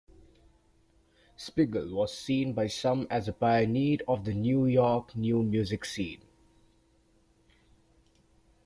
Spiegel was seen by some as a pioneer of the New York new-music scene.